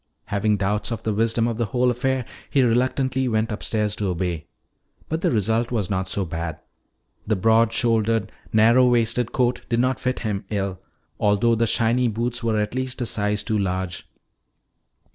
Having doubts of the wisdom of the whole affair, he went reluctantly upstairs to obey. But the result was not so bad. The broad shouldered, narrow waisted coat did not fit him ill, though the shiny boots were at least a size too large.